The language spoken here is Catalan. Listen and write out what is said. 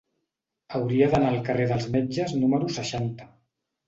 Hauria d'anar al carrer dels Metges número seixanta.